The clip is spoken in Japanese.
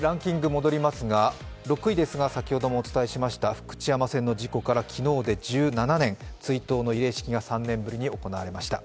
６位ですが、先ほどもお伝えしました、福知山線の事故から昨日で１７年、追悼の慰霊式が３年ぶりに行われました。